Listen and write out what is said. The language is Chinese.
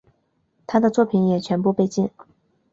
他的作品也全部被禁。